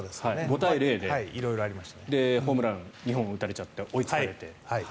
５対０でで、ホームラン２本打たれちゃって追いつかれて。